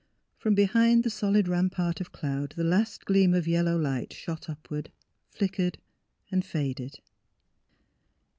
From behind the solid rampart of cloud the last gleam of yel low light shot upward, flickered and faded.